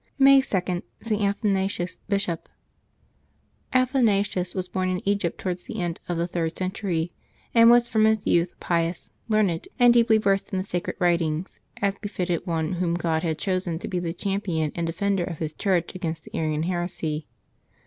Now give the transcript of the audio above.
May 2. ST. ATHANASIUS, Bishop. aTHANASius was born in Egypt towards the end of the third century, and was from his youth pious, learned, and deeply versed in the sacred writings, as be fitted one whom God had chosen to be the champion and defender of His Church against the Arian heresy.